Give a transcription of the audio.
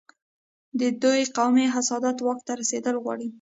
د دوی قومي حسادت واک ته رسېدل غواړي.